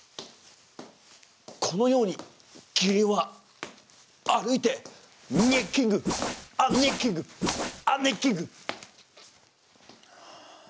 このようにキリンは歩いてネッキングあっネッキングあっネッキング。